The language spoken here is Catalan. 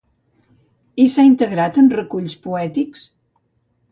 I s'ha integrat en reculls poètics?